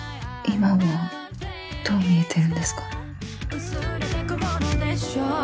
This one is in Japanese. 今はどう見えてるんですか？